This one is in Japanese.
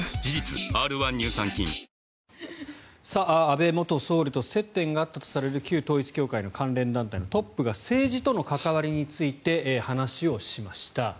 安倍元総理と接点があったとされる旧統一教会の関連団体のトップが政治との関わりについて話をしました。